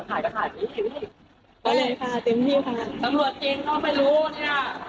ตำรวจจริงเนอะไม่รู้เนี่ย